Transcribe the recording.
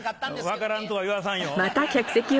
分からんとは言わさんよ。